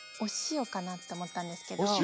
かなって思ったんですけど。